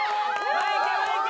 前行け！